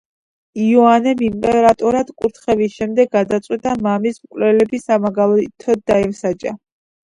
იოანემ იმპერატორად კურთხევის შემდეგ, გადაწყვიტა მამის მკვლელები სამაგალითოდ დაესაჯა.